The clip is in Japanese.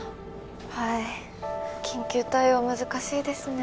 はい緊急対応難しいですね